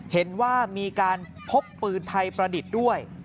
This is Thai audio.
เห็นว่ามีการพกปืนไทยประดิษฐ์ด้วย